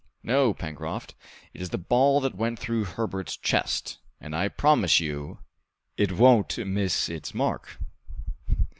"No, Pencroft!" "It is the ball that went through Herbert's chest, and I promise you it won't miss its mark!"